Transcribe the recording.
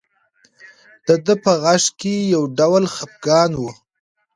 د ده په غږ کې یو ډول خپګان و.